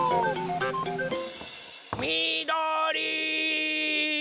みどり！